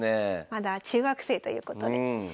まだ中学生ということで。